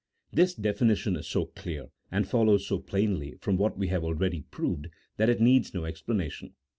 This definition is so clear, and follows so plainly from what we have already proved, that it needs no explanation.